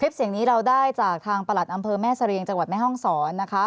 เสียงนี้เราได้จากทางประหลัดอำเภอแม่เสรียงจังหวัดแม่ห้องศรนะคะ